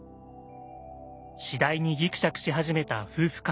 次第にぎくしゃくし始めた夫婦関係。